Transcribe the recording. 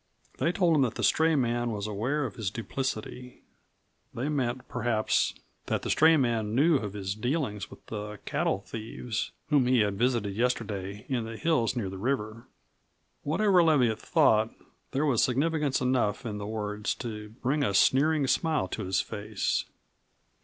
They told him that the stray man was aware of his duplicity; they meant perhaps that the stray man knew of his dealings with the cattle thieves whom he had visited yesterday in the hills near the river. Whatever Leviatt thought, there was significance enough in the words to bring a sneering smile to his face.